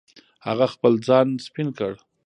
هغه خپل ځان سپین کړ.